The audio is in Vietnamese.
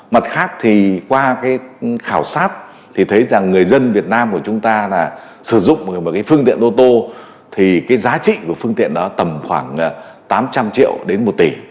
mặt khác thì qua cái khảo sát thì thấy rằng người dân việt nam của chúng ta là sử dụng một cái phương tiện ô tô thì cái giá trị của phương tiện đó tầm khoảng tám trăm linh triệu đến một tỷ